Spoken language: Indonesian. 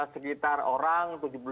sekitar orang tujuh puluh lima